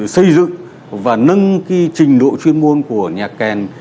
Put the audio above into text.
xây dựng và nâng cái trình độ chuyên môn của nhạc kèn